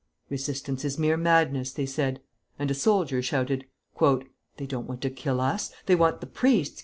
"Resistance is mere madness," they said; and a soldier shouted, "They don't want to kill us; they want the priests!